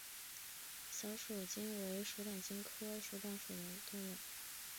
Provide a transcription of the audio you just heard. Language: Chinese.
小鼩鼱为鼩鼱科鼩鼱属的动物。